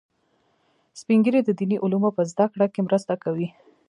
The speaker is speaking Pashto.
سپین ږیری د دیني علومو په زده کړه کې مرسته کوي